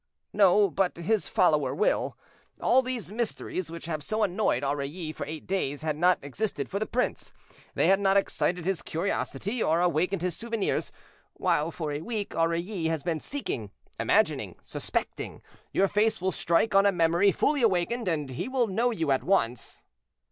"No, but his follower will. All these mysteries which have so annoyed Aurilly for eight days had not existed for the prince; they had not excited his curiosity or awakened his souvenirs, while for a week Aurilly has been seeking, imagining, suspecting. Your face will strike on a memory fully awakened, and he will know you at once."